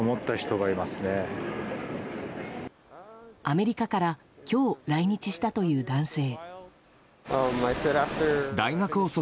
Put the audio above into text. アメリカから今日、来日したという男性。